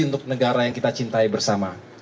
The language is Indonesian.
untuk negara yang kita cintai bersama